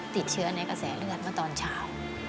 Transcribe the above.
ติดเชื้อในกระแสเลือดเมื่อตอนเช้า